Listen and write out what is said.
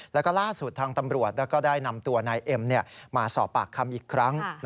แล้วก็ล่าสุดทางตำรวจก็ได้นำตัวนายเอ็มมาสอบปากคำอีกครั้ง